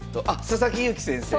佐々木勇気先生。